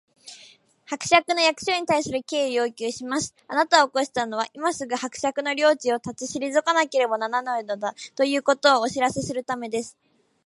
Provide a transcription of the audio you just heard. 「伯爵の役所に対する敬意を要求します！あなたを起こしたのは、今すぐ伯爵の領地を立ち退かなければならないのだ、ということをお知らせするためです」